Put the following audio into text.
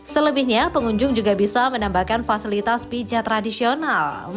selebihnya pengunjung juga bisa menambahkan fasilitas pijat tradisional